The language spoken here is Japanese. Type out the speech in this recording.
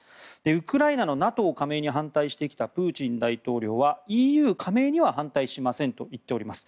ウクライナのＮＡＴＯ加盟に反対してきたプーチン大統領はＥＵ加盟には反対しませんと言っております。